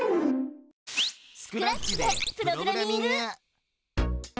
スクラッチでプログラミング！